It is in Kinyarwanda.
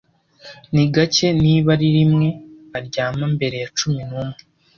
Ni gake, niba ari rimwe, aryama mbere ya cumi n'umwe.